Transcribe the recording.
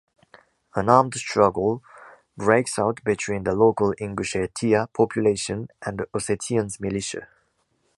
An armed struggle breaks out between the local Ingushetia population and Ossetians militia.